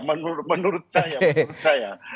menurut saya menurut saya